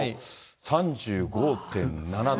３５．７度。